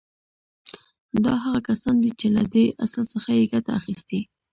دا هغه کسان دي چې له دې اصل څخه يې ګټه اخيستې.